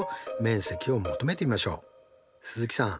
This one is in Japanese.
鈴木さん